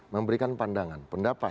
memberikan pandangan pendapat